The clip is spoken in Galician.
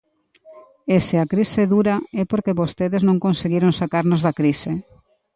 E, se a crise dura, é porque vostedes non conseguiron sacarnos da crise.